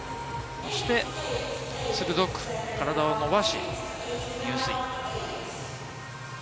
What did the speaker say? そして鋭く体を伸ばし、入水。